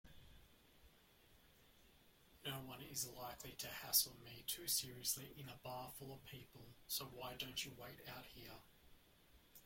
Noone is likely to hassle me too seriously in a bar full of people, so why don't you wait out here?